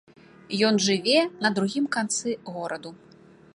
Ён жыве на другім канцы гораду.